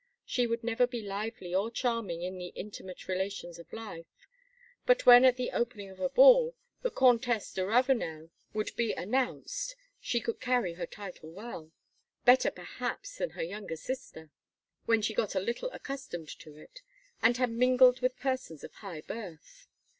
She would never be lively or charming in the intimate relations of life; but when at the opening of a ball "the Comtesse de Ravenel" would be announced, she could carry her title well better perhaps than her younger sister, when she got a little accustomed to it, and had mingled with persons of high birth.